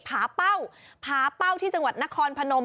ผาเป้าผาเป้าที่จังหวัดนครพนม